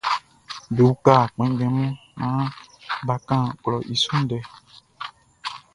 Be uka kpɛnngbɛn mun naan bʼa kan klɔʼn i su ndɛ.